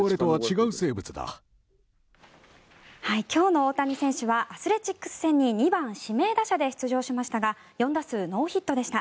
今日の大谷選手はアスレチックス戦に２番指名打者で出場しましたが４打数ノーヒットでした。